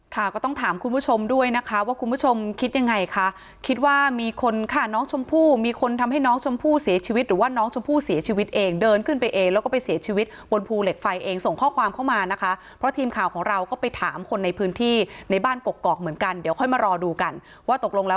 ก็ต้องถามคุณผู้ชมด้วยนะคะว่าคุณผู้ชมคิดยังไงคะคิดว่ามีคนฆ่าน้องชมพู่มีคนทำให้น้องชมพู่เสียชีวิตหรือว่าน้องชมพู่เสียชีวิตเองเดินขึ้นไปเองแล้วก็ไปเสียชีวิตบนภูเหล็กไฟเองส่งข้อความเข้ามานะคะเพราะทีมข่าวของเราก็ไปถามคนในพื้นที่ในบ้านกกอกเหมือนกันเดี๋ยวค่อยมารอดูกันว่าตกลงแล้ว